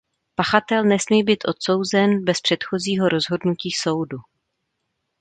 Pachatel nesmí být odsouzen bez předchozího rozhodnutí soudu.